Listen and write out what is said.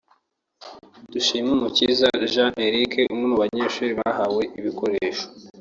Dushimumukiza Jean Eric umwe mu banyeshuri bahawe ibikoresho